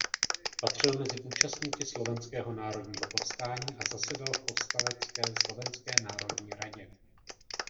Patřil mezi účastníky Slovenského národního povstání a zasedal v povstalecké Slovenské národní radě.